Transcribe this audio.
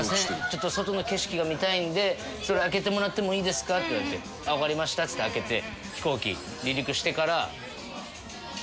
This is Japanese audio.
ちょっと外の景色が見たいんでそれ開けてもらってもいいですか」って言われて「わかりました」っつって開けて。